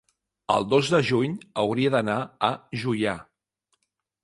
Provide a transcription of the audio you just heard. el dos de juny hauria d'anar a Juià.